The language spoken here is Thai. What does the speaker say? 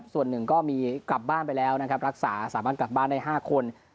ส่วนหนึ่งก็มีกลับบ้านไปแล้วนะครับรักษาสามารถกลับบ้านได้๕คน